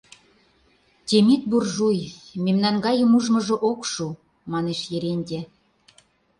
— Темит — буржуй, мемнан гайым ужмыжо ок шу, — манеш Еренте.